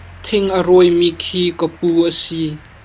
Thing a rawimi khi ka pu a si.